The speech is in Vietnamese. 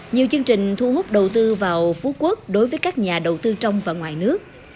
nhiều chương trình thu hút đầu tư vào phú quốc đối với các nhà đầu tư trong và ngoài nước